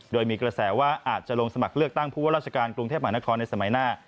โดยมีกระแสว่าอาจจะลงสมัครเลือกตั้งผู้ว่าราชการกรุงเทพมหานครในสมัยหน้า